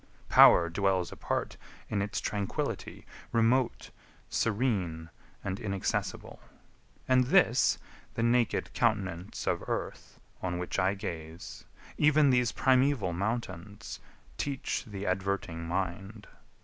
Power dwells apart in its tranquillity, Remote, serene, and inaccessible: And this , the naked countenance of earth, On which I gaze, even these primeval mountains Teach the adverting mind.